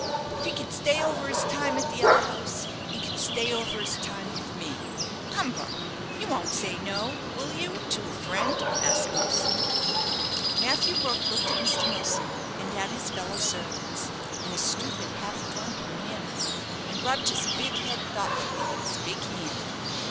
If he can stay over his time at the other house, he can stay over his time with me. Come, Brook, you won't say no, will you, to a friend?" asked Milsom. Matthew Brook looked at Mr. Milsom, and at his fellow servants, in a stupid half drunken manner, and rubbed his big head thoughtfully with his big hand.